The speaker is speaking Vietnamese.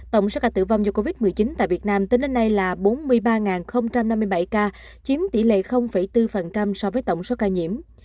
tổng số ca tử vong do covid một mươi chín tại việt nam tính đến nay là bốn mươi ba năm mươi bảy ca chiếm tỷ lệ bốn so với tổng số ca nhiễm